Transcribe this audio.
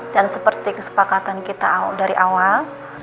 dan seperti kesepakatan kita dari awal